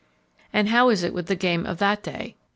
And how is it with the game of that day?